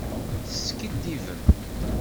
Teskiddibem.